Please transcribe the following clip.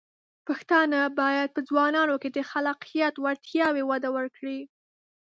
پښتانه بايد په ځوانانو کې د خلاقیت وړتیاوې وده ورکړي.